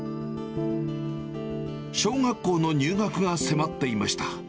小学校の入学が迫っていました。